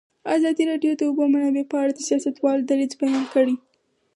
ازادي راډیو د د اوبو منابع په اړه د سیاستوالو دریځ بیان کړی.